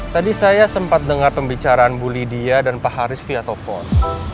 tadi saya sempat dengar pembicaraan bu lydia dan pak haris di ataupun